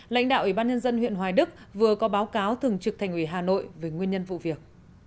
lãnh đạo ủy ban nhân dân huyện hoài đức vừa có báo cáo thường trực thành ủy hà nội về nguyên nhân vụ việc